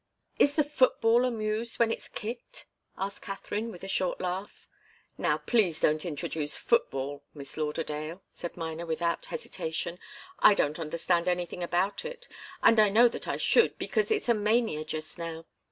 "Is the football amused when it's kicked?" asked Katharine, with a short laugh. "Now please don't introduce football, Miss Lauderdale," said Miner, without hesitation. "I don't understand anything about it, and I know that I should, because it's a mania just now.